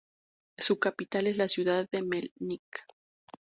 Su capital es la ciudad de Mělník.